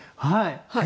はい。